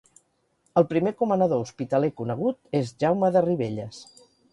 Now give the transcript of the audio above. El primer comanador hospitaler conegut és Jaume de Ribelles.